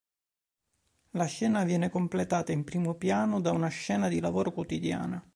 La scena viene completata in primo piano da una scena di lavoro quotidiana.